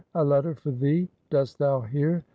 a letter for thee dost thou hear?